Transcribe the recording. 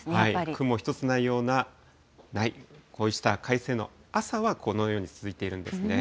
雲一つないような、こうした快晴の朝はこのように続いているんですね。